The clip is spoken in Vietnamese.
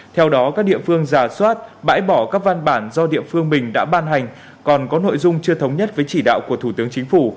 theo đó các địa phương giả soát bãi bỏ các văn bản do địa phương mình đã ban hành còn có nội dung chưa thống nhất với chỉ đạo của thủ tướng chính phủ